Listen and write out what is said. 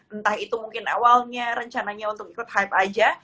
entah itu mungkin awalnya rencananya untuk ikut hype aja